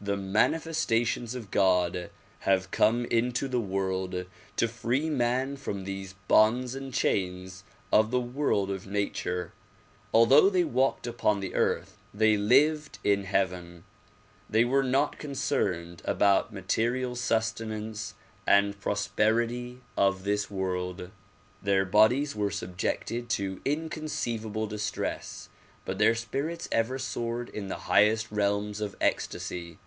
The manifestations of God have come into the world to free man from these bonds and chains of the world of nature. Although they walked upon the earth they lived in heaven. They were not concerned about material sustenance and prosperity of this world. DISCOURSES DELIVERED IN NEW YORK 181 Their bodies were subjected to inconceivable distress but their spirits ever soared in the highest realms of ecstasy.